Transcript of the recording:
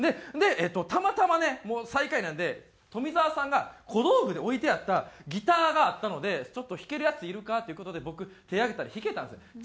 でたまたまねもう最下位なんで富澤さんが小道具で置いてあったギターがあったのでちょっと弾けるヤツいるか？っていう事で僕手上げたら弾けたんですよ。